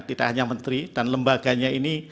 tidak hanya menteri dan lembaganya ini